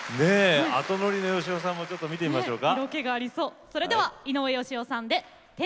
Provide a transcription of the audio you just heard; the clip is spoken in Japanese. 後ノリの芳雄さんも見てみましょうか。